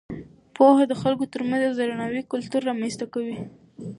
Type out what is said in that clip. پوهه د خلکو ترمنځ د درناوي کلتور رامینځته کوي.